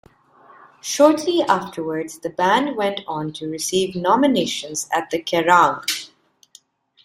Shortly afterwards, the band went on to receive nominations at the Kerrang!